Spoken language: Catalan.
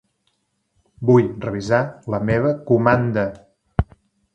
Vull revisar la meva comanda.